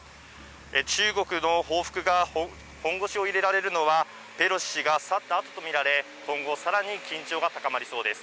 中国の報復が本腰を入れられるのは、ペロシ氏が去ったあとと見られ、今後、さらに緊張が高まりそうです。